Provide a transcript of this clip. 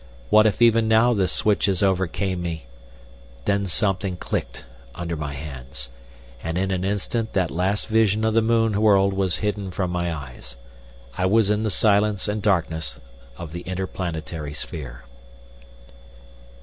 What if even now the switches overcame me? Then something clicked under my hands, and in an instant that last vision of the moon world was hidden from my eyes. I was in the silence and darkness of the inter planetary sphere.